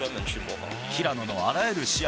平野のあらゆる試合